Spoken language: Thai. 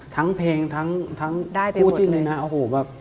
ทั้งเพลงทั้งผู้จินนะ